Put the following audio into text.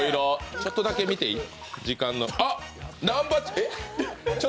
ちょっとだけ見ていい？